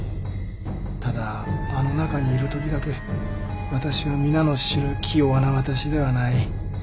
ただあの中にいる時だけ私は皆の知る気弱な私ではない。